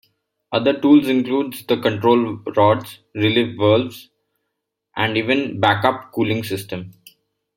Other tools include the control rods, relief valves, and even back up cooling systems.